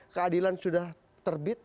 keadilan sudah terbit